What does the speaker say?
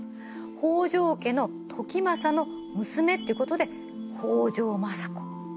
北条家の時政の娘っていうことで北条政子。